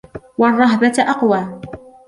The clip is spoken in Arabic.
وَالرَّهْبَةَ أَقْوَى